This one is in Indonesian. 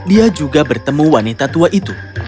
dia juga bertemu wanita tua itu